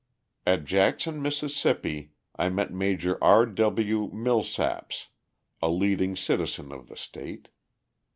At Jackson, Miss., I met Major R. W. Millsaps, a leading citizen of the state.